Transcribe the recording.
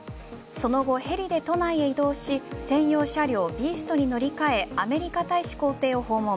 その後、ヘリで都内へ移動し専用車両ビーストに乗り換えアメリカ大使公邸を訪問。